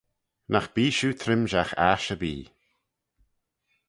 Nagh bee shiu trimshagh aght erbee.